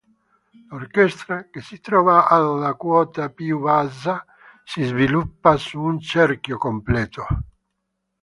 L'orchestra, che si trova alla quota più bassa, si sviluppa su un cerchio completo.